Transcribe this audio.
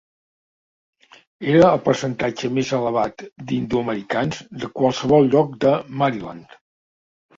Era el percentatge més elevat d'hindú-americans de qualsevol lloc de Maryland.